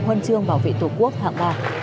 huân chương bảo vệ tổ quốc hạng ba